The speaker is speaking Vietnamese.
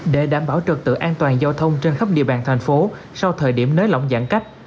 để đảm bảo trật tự an toàn giao thông trên khắp địa bàn thành phố sau thời điểm nới lỏng giãn cách